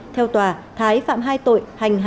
theo tòa thái phạm hai tội